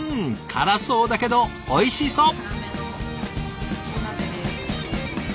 辛そうだけどおいしそう！